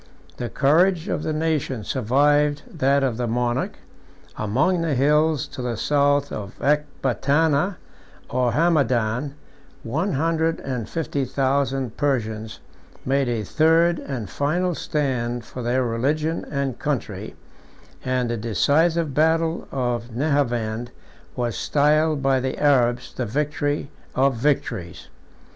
The courage of the nation survived that of the monarch: among the hills to the south of Ecbatana or Hamadan, one hundred and fifty thousand Persians made a third and final stand for their religion and country; and the decisive battle of Nehavend was styled by the Arabs the victory of victories.